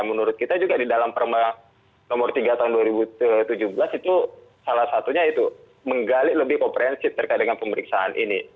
menurut kita juga di dalam perma nomor tiga tahun dua ribu tujuh belas itu salah satunya itu menggali lebih komprehensif terkait dengan pemeriksaan ini